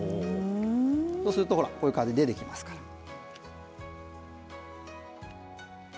そうするとほらこういう感じで出てきますからね。